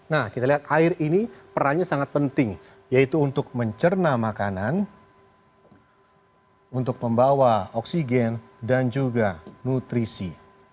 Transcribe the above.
nah kita lihat air ini perannya sangat penting yaitu untuk mencerna makanan untuk membawa oksigen dan juga nutrisi